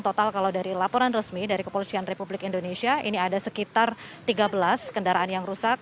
total kalau dari laporan resmi dari kepolisian republik indonesia ini ada sekitar tiga belas kendaraan yang rusak